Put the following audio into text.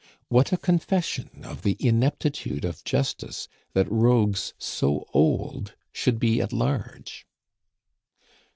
What a confession of the ineptitude of justice that rogues so old should be at large!